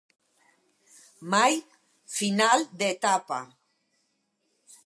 Mai final d'etapa.